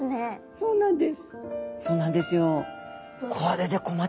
そうなんです。